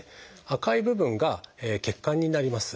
赤い部分が血管になります。